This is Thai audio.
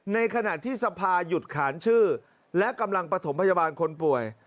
ในขณะที่สภาหยุดขานชื่อและกำลังประถมพยาบาลคนป่วย